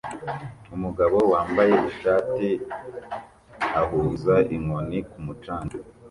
Umugabo wambaye ishati ahuza inkoni ku mucanga